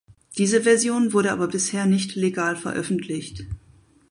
Diese Version wurde aber bisher nicht legal veröffentlicht.